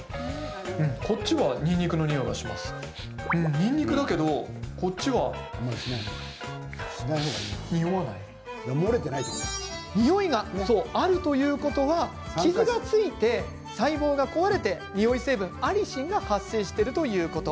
にんにくだけど、こっちはにおいがあるということは傷がついて細胞が壊れにおい成分アリシンが発生しているということ。